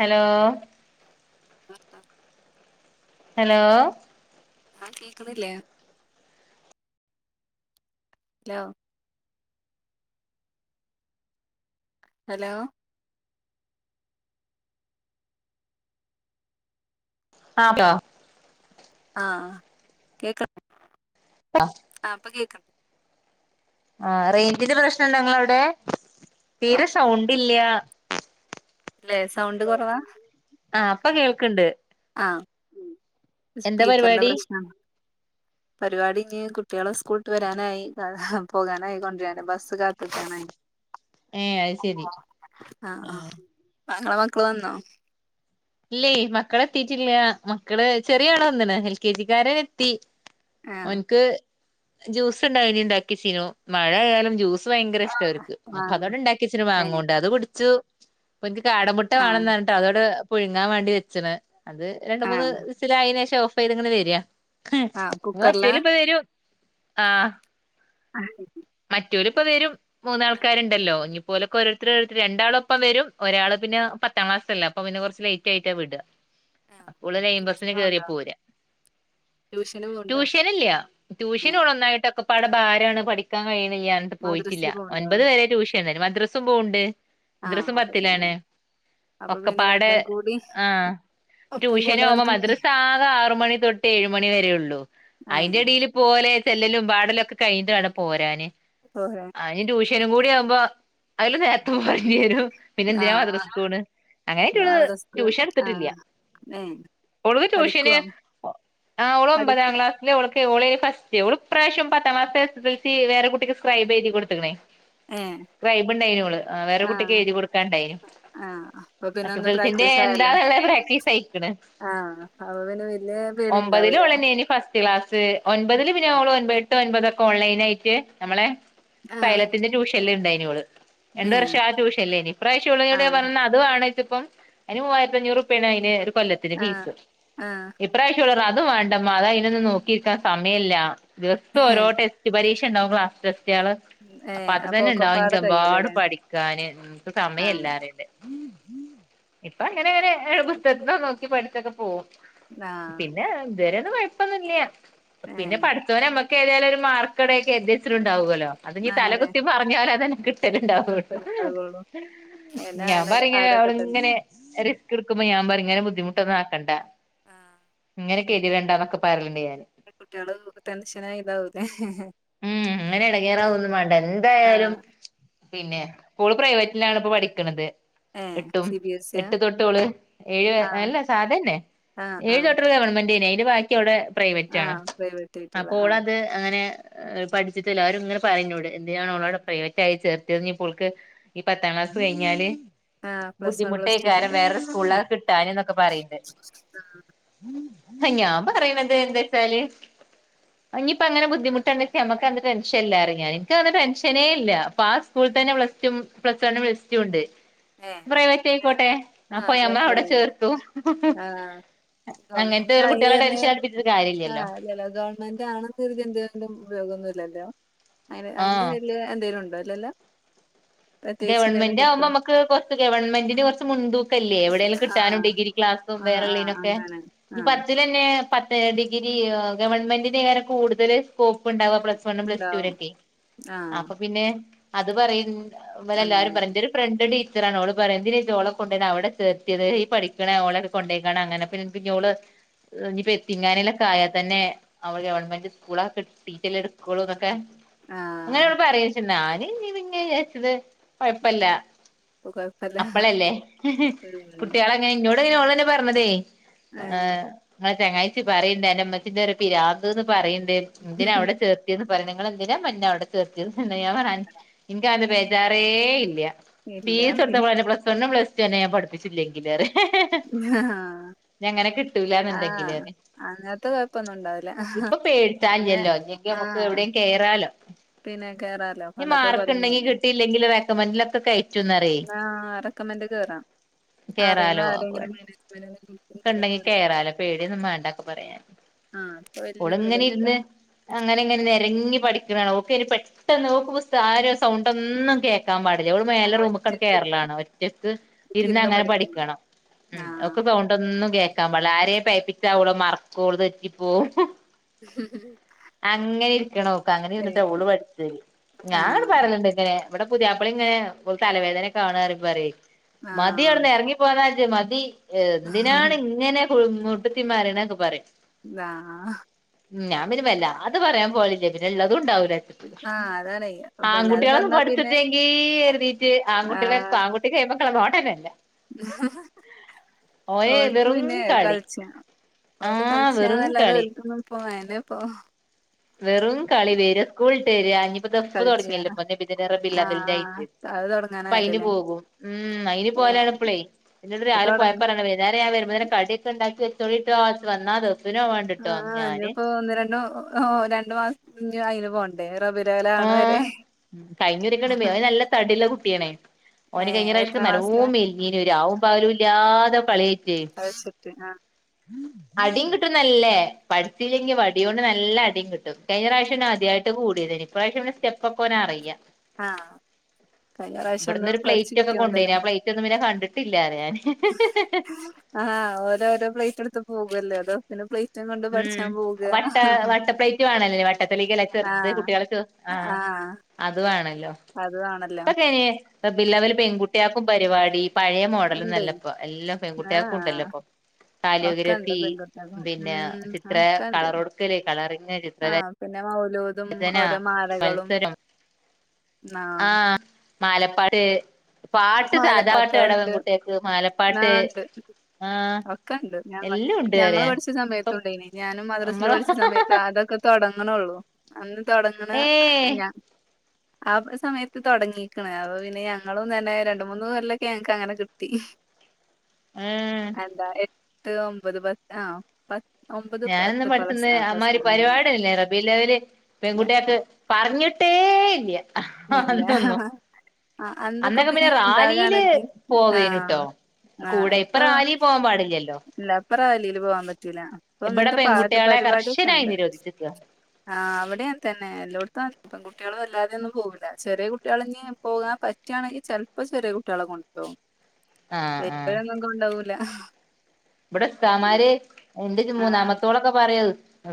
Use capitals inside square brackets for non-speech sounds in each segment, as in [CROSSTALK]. Hello [INAUDIBLE] hello ആ കേക്കുന്നില്ലേ hello hello ആത്ത ആഹ് കേക്ക ആഹ് പ്പ കേ ആഹ് റേഞ്ചിന്റെ പ്രശ്നംണ്ടോ നിങ്ങട അവിടെ തീരെ സൗണ്ട് ഇല്ല അല്ലെ സൗണ്ട് കുറവാ ആഹ് അപ്പ കേൾക്കണ്ട് ആഹ എന്താ സ്പീക്കറിടെ പരിപാടി പ്രശ്നണ് പരിപാടി ഇനി കുട്ടികളെ സ്കൂള്ട്ട് വരാനായി പോകാനായി കൊണ്ടിരാന് ബസ്സ് കാത്ത്ക്കാണ് ഏ അത് ശരി [UNINTELLIGIBLE] പോന്നോ ഇല്ലേ മക്കളെത്തിട്ടില്ല മക്കള് ചെറിയാള് വന്ന്ണ് എൽ കെ ജിക്കാരനെത്തി ആഹ് ഓനിക്ക് ജ്യൂസ് ഉണ്ടാനി ഉണ്ടാക്കി ചീനു മഴ ആയാലും ജ്യൂസ് ത് ഭയങ്കര ഇഷ്ട അവർക്ക് അപ്പൊ ആഹ് അതോടെ ഇണ്ടാക്കി വച്ചിന് ഏഹ് മാങ്ങോണ്ട് അത് കുടിച്ചു പ്പ കാടമുട്ട വേണം ആഹ് എന്ന് പറഞ്ഞിട്ട് അതോട് പുഴുങ്ങാ വേണ്ടി വെച്ച്ണ് അത് രണ്ട മൂന്ന് ആഹ് ഫിസിലായതിനേഷം ഓഫ്‌ ഇതെങ്ങനെ വരിയാ ആഹ് കുക്കറിലാ മറ്റല് ഇപ്പ വരൂ ആഹ് [UNINTELLIGIBLE] മറ്റോര് ഇപ്പ വരും മൂന്നാൾക്കാരുണ്ടല്ലോ ഇത്‌പോലൊക്കെ ഒരോരുത്തരു രണ്ടാളൊപ്പം വരും, ഒരാള് പിന്നെ പത്താം ക്ലാസല്ലെ, അപ്പൊ പിന്ന കുറച്ച് ലേറ്റ് ആയിട്ടാ വിടുക. ആ അപ്പൊള് ലൈൻ ബസിന് ട്യൂഷന് കയറിയ പോവ്ണ്ടോ പോരാ ട്യൂഷന് പോവ്ണ്ടോ ട്യൂഷൻഇല്ല ഏഹ് ട്യൂഷനോള് ഒന്നായിട്ടൊക്കെ ഒരുപാടെ ഭാരാണ് പഠിക്കാൻ കഴിയണില്ല, പോയിട്ടില്ല മദ്രസില് പോവ്ണ്ടോ ഒൻപത് വരെ ട്യൂഷൻ, മദ്രസെ പോവ്ണ്ട് ആഹ് മദ്രസും അപ്പൊ പിന്നെ പത്തിലാണ് അപ്പൊ പിന്നെ ഒക്കപ്പാടെ രണ്ടും കൂടി ആ ഒപ്പം ടൂഷന് കൊണ്ട് പോകുമ്പോ നടക്കുമ്പഴേ മദ്രസ ആകെ ആറ് മണി തൊട്ട് ഏഴ് മണി വരെ ഉള്ളു. അയിന്റെ ഏഹ് ഇടേൽ പോലെ ചെല്ലലും, പാടലും ഒക്കെ കഴിഞ്ഞിട്ട് വേണം പോരാന് പോരാ അതിന് ട്യൂഷന് കൂടി അതില പിന്നെ എന്തിനാ ആഹ് മദ്രസസ്കോണ് അങ്ങനൊയിട്ട് പിന്നെ മദ്രസ്ക്ക് ട്യൂഷൻ എടുത്തിട്ടില്ല. ആഹ് ഏഹ് ഒളത് ട്യൂഷന് പഠിക്കുവോ ആ അവള് ഒമ്പതാം പഠിക്ക് ക്ലാസ് ഒളാരാരുന്നു ഫസ്റ്റ്, ഓള് ഇപ്രാവശ്യവും പത്താം ക്ലാസ്സ്, എസ് എസ് എൽസി വേറെ കുട്ടിക്ക് സ്ക്രൈബ്ഴുതി കൊടുത്തേക്കണ്. ഏഹ് സ്ക്രൈബു ഉണ്ടായിരുന്നോള് വേറെ കുട്ടിക്ക് ആഹ് എഴുതി കൊടുക്കാണ്ടായിനു ആഹ് അപ്പൊ പിന്നെ എസ് എസ് ഒന്ന് എൽ സിന്റെ പ്രാക്ടീസ് ആയല്ലോ എന്താന്ന്ള്ള പ്രാക്ടീസ് ആയിക്കണ്. ആഹ് അപ്പൊ പിന്നെ വല്യ പേടി ഒമ്പതില് ഉണ്ടാവൂല ഉഇനി ഫസ്റ്റ് ക്ലാസ് ഒൻമ്പതില് പിന്നെ ഒമ്പേ എട്ട്, ഒൻപതൊക്കെ ഓൺലൈൻ ആയിട്ട് നമ്മളെ ആഹ് സൈലത്തിന്റെ ട്യൂഷനിൽ ഉണ്ടായിരുനു അവള്. രണ്ടു ഏഹ് വർഷം ആ ട്യൂഷല്ലേനി, ഈ പ്രാവശ്യം അവളോട് ഞാൻ ആഹ് പറഞ്ഞു അത് വേണ്ടങ്കി ഇപ്പം, അതിന് മൂവായിരത്തി അഞ്ഞൂറ് റുപ്പയാണ് അ ഒരു കൊല്ലത്തിന് ആഹ് ഫീസ്, ആഹ് ഈ പ്രാവശ്യുള്ള അതൊന്നും, വേണ്ടമ്മ അത് അതിനൊന്നും നോക്കിയിരിക്കാൻ സമയില്ല, ദിവസം ഓരോ ഏഹ് ടെസ്റ്റ് പരീക്ഷ ഉണ്ടാവും ക്ലാസ് [UNINTELLIGIBLE] അപ്പൊ ഏഹ് അത് തന്നെ ഇണ്ടാവും ഒക്കപ്പാടെ എനിക്കെമ്പാട് കഴിയൂലല്ലേ പഠിക്കാന്, എനിക്ക് സമയം ആഹ് ഇല്ലാറഞ്ഞിട്ട്. ഇപ്പൊ അങ്ങനെങ്ങനെ പുസ്തകത്തിന് നോക്കി പഠിച്ചൊക്കെ പോകും. ആഹ് പിന്നെ ഇതുവരൊന്നും കുഴപ്പൊന്നുമില്ല്യാ, പിന്നെ ഏഹ് പത്ത് വരെ എങ്ങനെയൊക്കെ എഴുതിയാലും ഒരു മാർക്കടയൊക്കെ ഏറ്റ കുറച്ചിലുണ്ടാവുമല്ലോ, അത് ഇനി എത്ര ആയെന്നെ തലകുത്തി മറിഞ്ഞാലും അത് ഉണ്ടാവുളളു ഉണ്ടാകുള്ളൂ എന്നെ ഞാൻ അയനെ പറ ഇങ്ങനെ അതൊക്കെ അവള് തന്നെ ഇങ്ങനെ റിസ്ക് എടുക്കുമ്പോ ഞാൻ പറയും ഇങ്ങനെ ബുദ്ധിമുട്ടൊന്നും ആക്കണ്ട. ആ അങ്ങനെ കതിണ്ടന്നൊക്കെ പറഞ്ഞ്ണ്ട് ഞാൻ കുട്ടികള് ടെൻഷൻ ആയ ഇതാവു ഇല്ലേ ഉം, അങ്ങനെ ഇടങ്ങേറാവൊന്നും വേണ്ട, എന്തായാലും ആഹ് പിന്നെ ഓള് പ്രൈവറ്റിലാണ് ഇപ്പൊ പഠിക്കുന്നത്. ഏഹ് എട്ടും സി ബി എസ് ഇ യാ എട്ട് തൊട്ട് ഓള് ഏഴ് ആഹ് അല്ല സാധ തന്നെ ആഹ് ആഹ് ഏഴു തൊട്ടൊരു ഗവൺമെന്റ് തന്നെ അതിന്റെ ബാക്കി അവള് പ്രൈവറ്റ് ആണ്, ആഹ് പ്രൈവറ്റ് ആയിട്ടുള്ള അപ്പൊ ഓള് ആഹ് അത് അങ്ങനെ പഠിച്ചിട്ട എല്ലാവരും ഇങ്ങനെ പറഞ്ഞൂട് എന്തിനാണോളോടെ പ്രൈവറ്റ് ആയി ചേർത്തിയത്, ഇപ്പോൾക്ക് ഈ പത്താം ക്ലാസ് കഴിഞ്ഞാല് ആഹ് പ്ലസ് വൺ പ്ലസ് ടു ഒക്കെ ബുദ്ധിമുട്ടായേക്കാം തന്നെ വേറൊരു സ്കൂളൊക്കെ കിട്ടാന് എന്നൊക്കെ പറയണ്ട് ആഹ് ഞാൻ പറയുന്നത് എന്താ വച്ചാല് ഇനിയിപ്പ അങ്ങനെ ബുദ്ധിമുട്ട് നമുക്കന്ന് ടെൻഷനേ ഇല്ല, ടെൻഷനേ ഇല്ല, ഇപ്പ ആ സ്കൂളി തന്നെ പ്ലസ് വൺ, പ്ലസ് ടു ഉണ്ട്. പ്ലസ് ടു ഉണ്ട് ഏഹ് അപ്പൊ പ്രൈവറ്റ് പിന്നെ ആയിക്കോട്ടെ, ആഹ് അപ്പോൾ നമ്മൾ അവിടെ ചേർത്തു. അങ്ങനത്തെ ഗവണ്മെന്റ് ആയി കുട്ടികളെ ടെൻഷൻ അടിപ്പിച്ചിട്ട് ആ കാര്യല്ലല്ലോ ചില ഗവണ്മെന്റ് ആണ തീർന്തണ്ടും ഉപയോഗമൊന്നുമില്ലല്ലോ, അ അതി ആഹ് വലയ എന്തേലും ഉണ്ടോ, അല്ലല്ലോ. ഗവൺമെന്റ് ആവുമ്പം നമുക്ക് കുറച്ച് ഗവൺമെന്റിന് കുറച്ച് മുൻതൂക്കില്ലേ, എവിടെലും, കിട്ടാനും ആഹ് ഡിഗ്രി ക്ലാസും ആഹ് വേറെ ആഹ് ഉള്ളേനൊക്കെ. അങ്ങനെ ആഹ് പത്തിലന്നെ പത്ത്, ഡിഗ്രി ഗവൺമെന്റിനിങ്ങനെ കൂടുതല് സ്കോപ്പ് ഉണ്ടാാവുക പ്ലസ് വൺ പ്ലസ് ടൂ ഇണ്ടാവും നൊക്കെ ആഹ് അപ്പൊ പിന്നെ അത് പറയും അപ്പൊ പിന്നെ എല്ലാരും അങ്ങനെ പറയും, എന്റെ ഒരു ഫ്രണ്ട് ണ്ടി ഓള് പറയും എന്തിനാനോളെ കൊണ്ട അവിടെ ചേർത്തിയത് ഈ പഠിക്കണ ഓളെ കൊണ്ടോയ്ക്ക അങ്ങനെ പിന്നെ ഓള് ഇനിയിപ്പോ ഇങ്ങാനയിലൊക്കെ ആയാൽ തന്നെ അവള് ഗവൺമെന്റ് സ്കൂളൊക്കെ ഡീറ്റെയിൽ എടുക്കളൂ എന്നൊക്കെ അങ്ങനെ ആഹ് അവിടെ പറയിച്ചന്നാ ഞാൻ ഇങ്ങനെ വിചാരിച്ചത് കുഴപ്പില്ല, ഇപ്പൊ കൊഴപ്പല്ല അപ്പളല്ലേ ഉം കുട്ടികളിങ്ങനെ ഇങ്ങോട്ട ഓളെന്നെ പറഞ്ഞതേ ഏഹ് ചങ്ങായ് ചി പറയണ്ട്അന്റാമ്മച്ചിന്റെഒരു പിരാ ന്ത് പറയണ്ട് ന്തിനാ അവിടെ ചേർത്തിന്ന് പറയാ നിങ്ങ എന്തിനാമ്മ അവിടെ ചേർത്ത് [UNINTELLIGIBLE] ഇനിക്അങ്ങനത്തെ തബേജാറേ ഇല്ല ഇല്ല ഫീസ് പിന്നെ എടുത്തപ്പോെ പ്ലസ് വണ്ണും പ്ലസ് ടു ന്നെഞാൻ പഠിപ്പിച്ചില്ലെങ്കിൽേറെ [UNINTELLIGIBLE] ഞങ്ങനെ കിട്ടൂലാന്ന് ണ്ടെങ്കിലോ ആഹ് നെ അങ്ങനത്തെ കൊഴപ്പൊന്നും ണ്ടാവൂല്ല ഹ ഹാപിന്നെ പേടിച്ചാല്ലല്ലോ ഇല്ലെങ്കി നമുക്ക് ആഹ് എവിടെയും കേറാലോ പിന്നെ കേറാല്ലോ പണ്ടത്തെ പോലെന്ന ല്ല ങ്കിൽ റെ ക്കാമെന്റിൽ ഒക്കെ കയറ്റി ആ റെക്കമെന്റ് കേറാം അറിയുന്ന ആരെങ്കിലും [UNINTELLIGIBLE] ണ്ടെങ്കി അറിയാം കേറാലോ പേടിയൊന്നും മേണ്ടക്കെ പറയാൻ ആ അപ്പൊ വല്യ ഓള് ഇങ്ങനെ പേടിയൊന്നുല്ല ഇരുന്ന് അങ്ങനെ ഇങ്ങനെ നരങ്ങി പഠിക്ക് ണാ ണ ഓക്കെ പെട്ടെന്ന് ഓക്ക് പുസ് താര സൗണ്ട് ഒന്നും കേൾക്കാൻ പാടില്ല ഇവൾ ആ മേലെ റൂമിക്കൻ ഒറ്റക്ക് കേറ ഇരുന്ന് ലാണ് ഒറ്റക്ക് ഒറ്റക്ക് ഇരുന്ന് അങ്ങനെ പഠിക്കും പഠിക്കണം ഉ ആ ഓക്ക് തോന്നുമ്പോ ഒന്നും കേക്കാ പാടില്ല ആരെയും പെ യപ്പിച്ച അവടെ മറക്കോള് തെറ്റി പോവും അങ്ങനെ ഇരിക്കണോ അങ്ങനെ ഏ ഇര്ന്നിട്ടാ ഓള് പഠിച്ചത് ആ ഞാ പറയലിണ്ട് ഇങ്ങനെ ഇവിടെ പുതിയയാപ്പളി ഇങ്ങനെ തലവേദന കാണ പറ ആ മതി അവിട്ന്ന് ഇറങ്ങി പോക മതി എന്തിനാണ് ആ ഇങ്ങനെ മുട്ടുത്തിമറി ണൊക്കെ പറിം ഇതാ അഹ് ഞാമ്പിന്നെ വല്ലാതെ പറയാ പോകലില്ല പിന്നെ ഉള്ളതുണ്ടാവില്ല ആ അതാണേ വല്ലാതെ ആൺകുട്ടികളൊന്ന് പറഞ്ഞാ പിന്നെ പഠിച്ചിട്ടെങ്കീ കരുതീട്ട് ആൺകുട്ടിക ആൺകുട്ടി ക റോടെന്നെല്ലേ [UNINTELLIGIBLE] ഓന് ഓല്ക്ക് വെറും പിന്നെ കളി കളിച്ച ഓര് ആഹ് വെറും കളിച്ചന്ന ല്ലാതെ കളി ഒൽ ക്കൊന്നും പോയും ഓഹ് വെറും കളി വര സ്കൂളിട്ട് വരാ ദഫ് പ്പ് കളിച്ച തുടങ്ങിയല്ലോ പ്പൊ നബിദിനംറബീഉൽ ആ അവ്വലിന്റെയായിറ്റ് ആ അത് അപ്പ അയിന് തൊടങ്ങാനായല്ലോല്ലേ പോകും ഉം അയിന് ഏ പോയ ലാണ് ഇപ്പള് ഇപ്പൊ രാവിലെ തൊടങ്ങ പോയപ്പോ പറാണ് വൈന്നാരം ഞാൻ വരുമ്പോ അങ്ങ നെ കടിയൊക്കെ ഉണ്ടാക്കി വെച്ചോളിട്ടോ ഇഞ്ഞി വന്ന ത് ആഞ്ഞിപ്പോ ഒന്ന് രണ്ടു രണ്ടു മാസംഞ്ഞി അയിന് പോണ്ടേ റബിഉലവ്വലാവണ വരെ ആഹ് കഴിഞ്ഞൂരക്കെ ന നല്ല തടി ള്ള കുട്ടിയാ ണേ ഓന് ഏഹ് എത്രാം കഴിഞ്ഞപ്രാവശ്യം ക്ലാസ്സിലാ നല്ലോം മെലിഞ്ഞീന്നു രാവും പകലും ഇല്ലാതെ കളിയായിട്ട് അത് വെച്ചിട്ട് ആഹ് അടിം കിട്ടും ന്നല്ലേ പഠിച്ചി ല്ലെങ്കിൽ വടിയോണ്ട് നല്ല അടിം കിട്ടും കഴിഞ്ഞ പ്രാവശ്യ ആദ്യായിട്ട് കൂടിയത് ഇപ്രാവശ്യം സ്റ്റെപ്പ ക്കെഓനറിയാ ആഹ് കഴിഞ്ഞ പ്രാവശ്യം ഇവിടന്ന് ഒന്ന് ഒരു പഠിച്ചു പ്ലേറ്റ് ക്കെ കിട്ടിയോണ്ടല്ലോ കൊണ്ടോയിന്നു ആ പ്ലേറ്റ് ഒന്നും പിന്നെ കണ്ടിട്ട- ആഹ് ഓരോ ഓരോ പ്ലേറ്റ ട്ത്ത് പോകല്ലേ അതോ പിന്നെ പ്ലേറ്റ് ഉം വട്ട വട്ട പ്ലേറ്റ് വേണല്ലേ വട്ടത്ത് ലക്ക്ല്ല ചെറുത് ആഹ് കുട്ടികള് ക്ക് ആ ആഹ് അത് വേണല്ലോ അതു ആണല്ലോ ഇപ്പൊക്കയ് ന് റബീഉൽ അവ്വൽ പെൺകുട്ടിയക്കും പരിപാടി പഴയ ഇണ്ട് മോഡലൊന്നല്ല ഇപ്പൊ എല്ലാ പെൺകുട്ടികൾ ക്കും ണ്ടല്ലോ ആഹ് ഇപ്പൊ ഒക്കെണ്ട് കാലിയോഗ്രാഫി പെൺകുട്ടിയാക്കും പിന്നെ ഉം ചിത്ര ഒക്കെണ്ട് കളർ കൊടുക്കല് കളറിങ് ചിത്രരജന ലോതും ഓരോ മാലകളും നാം ആഹ് മാലപ്പാട്ട് പാട്ട് സാധാ പാട്ടാടാ പെൺ മാലപ്പാട്ടുകളുണ്ട് കുട്ടികക്ക് മാലപ്പാട്ട് ആഹ് ഒക്കെണ്ട് ഞ എല്ലാം ഉണ്ട് അറിയ ഞങ്ങള്ൾപഠിച്ച ഇപ്പം സമയത്തുണ്ടായിന്നു ഞാന മദ്രസിൽ നമ്മള പഠിച്ച സമയത്ത് അതൊക്കെ തുടങ്ങ് ണൊള്ളു അന്ന് തുടങ്ണ ഏഹ് ഞാ ആ ഒരു സമയത്ത് തുടങ്ങീക്ക്ണ് അപ്പൊ പിന്നെ ഞങ്ങളും തന്നെ രണ്ട, മൂന്ന് കൊല്ലൊക്കെ ഞങ്ങക്ക് അങ്ങനെ കിട്ടി ഉം എന്താ ത്ത് ഒമ്പത് പത്ത് ആ പത്ത് ഒമ്പത് ഞാനൊന്നും പ്ലസ് പഠിടുത്തന്ന് ആ പ്ലസ് അമ്മാരി വൺ അങ്ങനെ പരിപാടിയില്ലാരുന്നു [UNINTELLIGIBLE] ഇല്ല പെൺകുട്ടിയോക്ക് പറഞ്ഞിട്ടേ [INAUDIBLE] ആ ഹ ഹ ഇല്ല അന്തൊന്നു ആ അന്നൊക്കെ പിന്നെ ഇനി റാലീല് ഇണ്ടാകാണെങ്കി ആ പോവേനൂട്ടോ കൂടെ ഇപ്പൊ റാലി പോവാൻ പാടില്ല്യാല്ലോ ഇല്ല ഇപ്പ റാലീല് പോവാൻ പറ്റൂല്ല പ്പൊ ഇവിടെ അങ്ങനത്തെ പാട്ട് പെൺകുട്ടികളെ പരിപാടിക്കെ കർശനായി ഉണ്ട് നിരോധിച്ചിക്ക ആഹ് അവിടെയതന്നെ എല്ലൊട്തും പെൺകുട്ടിയോള് വല്ലാതെയൊന്നും പോവൂല്ല ചെറിയ കുട്ടിയാലിൻഞ്ഞി പോകാൻ പറ്റാണെങ്കിൽ ചെൽപ്പോ ചെറിയ കുട്ടിയോളേ കൊണ്ടോകും ആഹ് ആഹ് വല്ല്യോരെയൊന്നും കൊണ്ടോവൂല ഇവിടെ ഉസ്താദുമാര് എന്റെ ഒരു ആഹ് മൂന്നാമത്തോളൊക്കെ പറയോ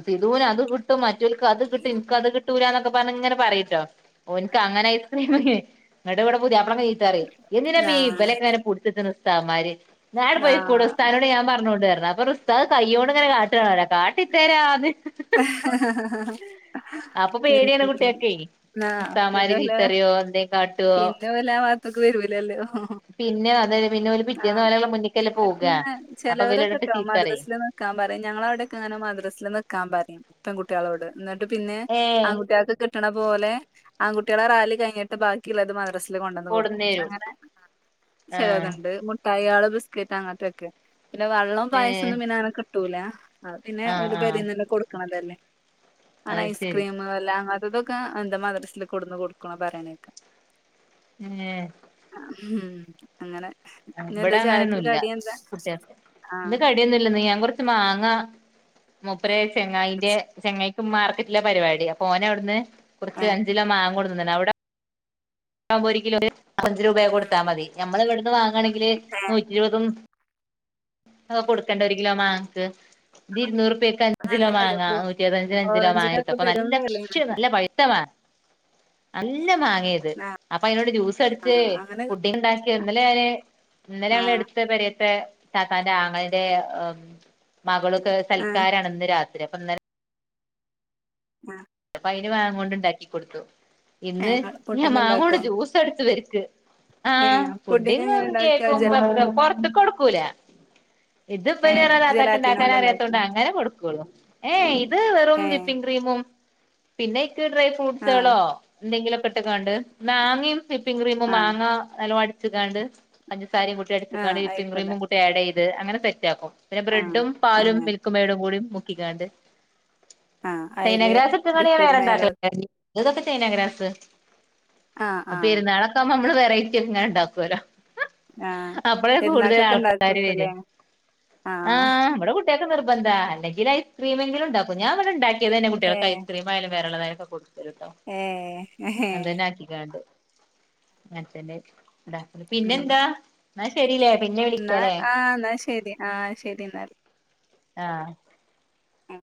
സിധുവിന് അത് കിട്ടും മ ഇവർക്കത് കിട്ടും എനക്കത് കിട്ടൂലന്നൊക്കെ പ അപ്പം അത് ഇങ്ങനെ പറയൂട്ടോ ഓന്ക്ക് അങ്ങനെ ഐസ്ക്രീംമ് അങ്ങടെ ഇവിടെ പുതിയാപ്പി ബടെ ങ്ങ് ചീത്ത പറിം എന്തിനെപ്പോ ദാ ഈ ഇബലെ ഒക്കെ ങ്ങനെ പുടിച്ചിർത്ത്ണ് ഉസ്താദുമാര് ഞാൻ ദാ പൊയ്ക്കൂട് ഉസ്താദിനോട് ഞാൻ പറഞ്ഞോണ്ട് ന്ന് പറഞ്ഞ് അപ്പറഞ്ഞ് ഉസ്താദ് കയ്യോട് ഇങ്ങന കാട്ടാണ് കാട്ടിത്തരാന്ന് [UNINTELLIGIBLE] അപ്പൊ പേടിയാണ് കുട്ട്യാക്കെ ആ ഉസ്താദ്മാര് പിന്നെല ചീത്തറിയോ എന്തേം കാട്ടോ പിന്നെ ഓലാ ആ ഭാഗത്തേക്ക് വരൂലല്ലോ ആഹ് ഹ് പിന്നെ അത് പിന്നെ ഓല് ആ പിറ്റേന്ന് ഓലെ മുന്ന്ക്കല്ലേ പിന്നെ പോകാ പിന്നെ അപ്പൊ ഇവല് ഇവടെ ഇട്ട് ചെലോരൊക്കെട്ടോ ചീത്തറിയും മദ്റസിലു നിക്കാൻ പറയും ഞങ്ങള അവിടെക്കെ അങ്ങനെ മദ്രസിൽ നിൽക്കാ പറിം പെൺകുട്ടിയാളോട് ന്നിട്ട് പിന്നെ ഏഹ് ആൺകുട്ടിയോൾക്ക് കിട്ടണ പോലെ ആൺകുട്ടിയോളെ റാലി കഴിഞ്ഞിട്ട് ബാക്കിയുള്ളത് മദ്രസക്ക് കൊണ്ടന്ന് കൊടുക്കും കൊട്ന്നേരും അങ്ങനെ ചെലത് ആഹ് ണ്ട് മുട്ടായ്യാള് ബിസ്ക്കറ്റ് അങ്ങനത്തൊക്കെ പിന്നെ വെള്ളോം ഏ പായസോന്നുംപിന്നെ അങ്ങനൊന്നും കിട്ടൂല അത് പിന്നെ ആഹ് ഓര് ആഹ് പെരേന്ന് എടുക്കണോലല്ലേ അത് ശരി ഐസ്ക്രീം എല്ലാ അതൊക്കെ എന്താ മദ്രസൽ കൊടുന്ന് കൊടുക്കണോ പറയാനക്കെ ഏ ഹും അങ്ങനെ ഇന്നെന്താ ഇബടെ ചായക്ക് അങ്ങനൊന്നുംല്ല കടി എന്താ കുട്ടിയാക്ക് ആഹ് ഇന്ന് കടിയൊന്നുംല്ലന്ന് ഞാൻ കുറച്ച് മാങ്ങ മൂപ്പരെ ചങ്ങായിൻ്റെ ചങ്ങ മാർക്കറ്റിലാ പരിപാടി അപ്പ ഓന് അവിടുന്ന് കുറച്ച് അഞ്ചിലോ മാങ്ങ കൊടുന്ന് തന്നക്കണ് അവിടെ കുമ്പോ ഒരു കിലോക്ക് അഞ്ച് രൂപക്കെ കൊടുത്താൽ മതി നമ്മൾ ഇവിടുന്ന് വാങ്ങാണെങ്കില് ഏഹ് നൂറ്റി ഇരുപതും അതൊക്കെ കൊടുക്കണ്ട ഒരു കിലോ മാങ്ങക്ക് ഇത് ഇരുന്നൂറുപ്യക്കെ ഇപ്പ നല്ല അഞ്ചിലോ വെല മാങ്ങ നൂറ്റി ഇരുപത്തിഅഞ്ചിന് അഞ്ച കിലോ ഓക്കെ കിട്ടും ഓറഞ്ചിനൊക്കെ അപ്പൊ പെരും നല്ല വെലേണ് ഫ്രഷ് നല്ല പഴുത്ത മാങ്ങ നല്ല മാങ് മങ്ങിത് അതിനോട് ജ്യൂസ് അടിച്ച ആഹ് അങ്ങനെ പുഡ്ഡിംഗ് ഉണ്ടാക്കി ഇന്നലെ ഞാന് ഇന്നലെ ഞങ്ങളെ ആഹ് എടുത്ത് പെരി ത്തെ താത്താൻറെ ആങ്ങളന്റെ ഹ് മകളൊക്കെ ആഹ് സൽക്കാരാണ് ഇന്ന് രാത്രി അപ്പൊ ഇന്ന ഹ് അപ്പ അയിന് മാങ്ങോണ്ട് ഉണ്ടാക്കി കൊടുത്തു ഏഹ് ഇന്ന് ഇങ്ങള് ഞാൻ പുഡിങ് മാങ്ങോണ്ട് ഇണ്ടാക്കോ ജ്യൂസ് അടിച്ചത് ആ ഏഹ് പുഡിങ് എങ്ങനെ പുഡ്ഡിംഗും ഇണ്ടാക്ക കേക്കും ജല വെർതെ പൊറുത്തക്ക് കൊടുക്കൂല ഇത് ഏഹ് ഇബലറ ആ തത്താക് ജലാറ്റിനോണ്ട് ഇണ്ടാക്കോ ഇണ്ടാക്കാനറിയതൊണ്ട് അങ്ങനെ കൊടുക്കുള്ളൂ ഏയ് ഇത് വെറും ഏഹ് വിപ്പിംഗ് ക്രീമും പിന്നെ അയ്ക്ക് ഡ്രൈ ആഹ് ഫ്രൂട്ട്സാളോ എന്തെങ്കിലൊകെ ഇട്ട്ക്കാണ്ട് മാങ്ങിം വിപ്പിംഗ് ക്രീമും ആഹ് മാങ്ങ നല്ലോം അടിച്ച്ക്കാണ്ട്പഞ്ചസാര സാരയും കൂട്ടി ആഹ് അടിച്ചക്കേണ്ട് വിപ്പിംഗ് അയിക്കോട്ടെ ക്രീംമും കൂട്ടി ആഡ് ചെയ്ത്അ ങ്ങനെ സെറ്റ് ആക്കും പിന്നെ ആഹ് ബ്രെഡും പാലും അങ്ങനെ മിൽക്കും മേഡും കൂടി മുക്കിക്കാണ്ട് ആ അയില് ഇൻക്ക് ഡിപ്പ് വേണെങ്ക ചെയ്ത് മേലെ വെക്ക [UNINTELLIGIBLE] ഇതിതൊക്കെ ചൈനാഗ്രാസ് ആഹ് ആഹ് പെരുന്നാളൊക്ക ആകുമ്പോ മ്മള് വെറൈറ്റ്യൊക്കെ ഇങ്ങനെ ണ്ടാക്കോല്ലോ ആഹ് അ അപ്പഴാ കൂടുതൽ പെരുന്നാക്കൊക്കെ ആൾക്കാര് വരാ ഇണ്ടാക്കോക്കുല്ലേ ആ ആഹ് ഇവടെ കുട്ടിയാക്ക് നിർ ഇപ്പെന്താ അല്ലെങ്കില് ഐസ്ക്രീമെങ്കിലും ഉണ്ടാക്കും ഞാ ഇവിടെ ഉണ്ടാക്കിയതന്നെ കുട്ടിയാൾക്ക് ഏഹ് ഐസ്ക്രീമായാലും വേറെള്ളതായലൊക്കെ കൊടു ട്ടോ ഏഹ് ഏഹ് അതന്നെക്കിക്കാൺണ്ട് [INAUDIBLE] പിന്നെന്താ എന്നാ ശരിലേ ന്ന ആ ന്നാ ശരി ആ ശരി ന്നാല് ആ മ്